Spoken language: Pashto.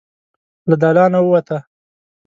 له دالانه ووته.